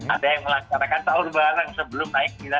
ada yang melaksanakan taur bareng